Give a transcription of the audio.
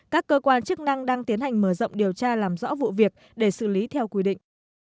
các cơ quan chức năng đang tiến hành mở rộng điều tra làm rõ vụ việc để xử lý theo quy định